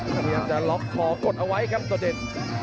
มันยังจะล็อคขอกดเอาไว้ครับโดดเดน